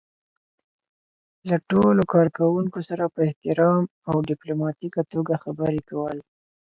له ټولو کار کوونکو سره په احترام او ډيپلوماتيکه توګه خبرې کول.